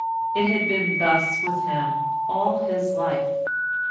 It had been thus with him all his life.